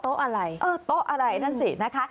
เตาะอะไรเออเตาะอะไรนั่นสินะคะ